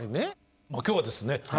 今日はですね